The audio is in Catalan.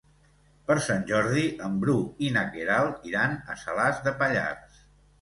Per Sant Jordi en Bru i na Queralt iran a Salàs de Pallars.